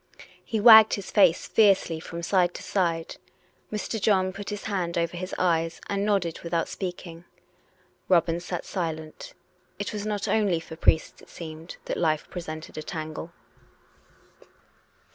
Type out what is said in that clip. " He wagged his face fiercely from side to side. Mr. John put his hand over his eyes and nodded without speaking. Robin sat silent: it was not only for priests, it seemed, that life presented a tangle.